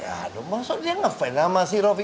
ya aduh maksudnya ngefans lama si ropi